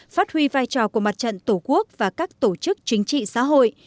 phát huy vai trò của mặt trận tổ quốc và các tổ chức chính trị xã hội